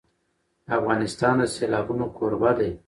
افغانستان د سیلابونه کوربه دی.